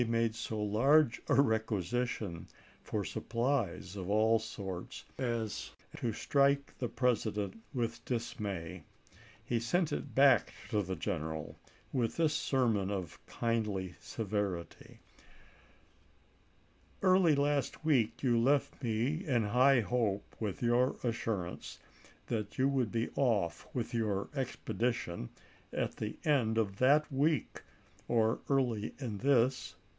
made so large a requisition for supplies of all sorts 311 312 ABRAHAM LINCOLN chap. xi. as to strike the President with dismay. He sent it back to the general with this sermon of kindly severity : "Early last week you left me in high hope, with your assurance that you would be off with your expedition at the end of that week, or early in this.